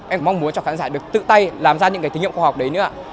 em mong muốn cho khán giả được tự tay làm ra những thí nghiệm khoa học đấy nữa